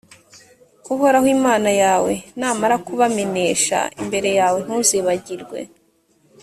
uhoraho imana yawe namara kubamenesha imbere yawe, ntuzibagirwe